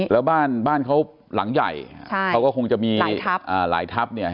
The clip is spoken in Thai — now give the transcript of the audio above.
แล้วบ้านเขาหลังใหญ่เขาก็คงจะมีหลายทัพเนี่ย